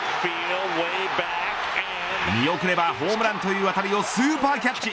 見送ればホームランという当たりをスーパーキャッチ。